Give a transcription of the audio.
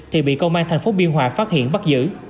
thì bị công an tp biên hòa phát hiện bắt giữ